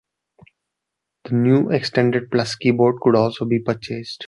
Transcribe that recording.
The new extended Plus keyboard could also be purchased.